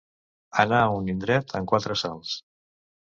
Anar a un indret en quatre salts.